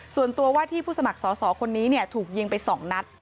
ส่วนตัวว่าที่ผู้สมัครสอสอคนนี้ถูกยิงไป๒นัด